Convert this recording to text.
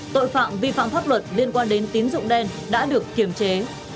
tội phạm vi phạm pháp luật liên quan đến tín dụng đen đã được kiềm chế